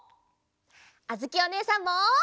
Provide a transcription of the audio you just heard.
あづきおねえさんも。